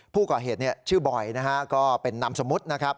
ผู้ก่อเหตุเนี่ยชื่อบ่อยนะฮะก็เป็นนำสมุดนะครับ